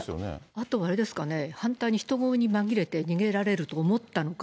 あとあれですかね、反対に人混みにまぎれて逃げられると思ったのか。